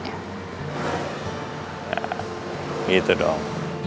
nah gitu dong